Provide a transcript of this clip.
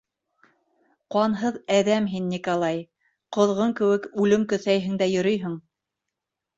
— Ҡанһыҙ әҙәм һин, Николай, ҡоҙғон кеүек үлем көҫәйһең дә йөрөйһөң.